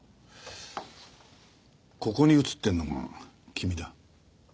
ここに写ってるのが君だ。